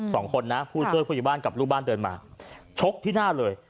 สองคนนะผู้ช่วยผู้ใหญ่บ้านกับลูกบ้านเดินมาชกที่หน้าเลย